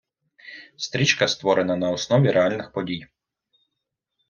Стрічка створена на основі реальних подій.